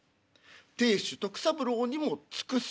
亭主徳三郎にも尽くす。